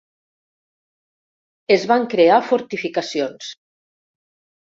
Es van crear fortificacions.